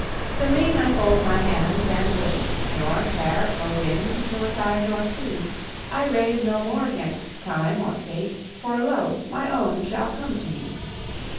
Serene I fold my hands and wait, Nor care for wind, nor tide, nor sea. I rave no more 'gainst time or fate, For lo! my own shall come to me.